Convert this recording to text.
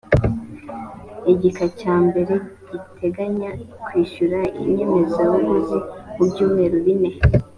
igika cya mbere giteganya kwishyura inyemezabuguzi mu byumweru bine